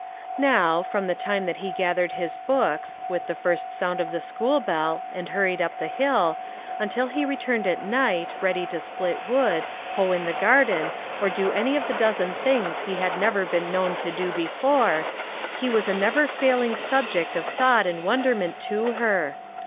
Now, from the time that he gathered his books, with the first sound of the school bell, and hurried up the hill, until he returned at night, ready to split wood, hoe in the garden, or do any of the dozen things that he had never been known to do before, he was a never failing subject of thought and wonderment to her.